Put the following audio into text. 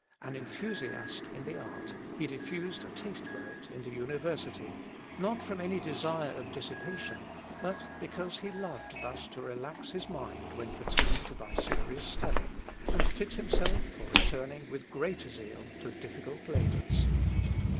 An enthusiast in the art he diffused a taste for it in the university, not from any desire of dissipation, but because he loved thus to relax his mind when fatigued by serious study, and fit himself for returning with greater zeal to difficult labours.